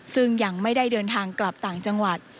ซึ่งยังไม่ได้เดินทางกลับต่างจังหวัด